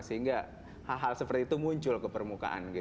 sehingga hal hal seperti itu muncul ke permukaan